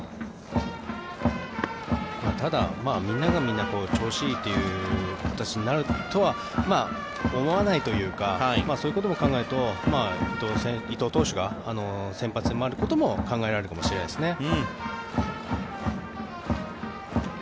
ただ、みんながみんな調子いいという形になるとは思わないというかそういうことも考えると伊藤選手が先発に回ることも考えられますね。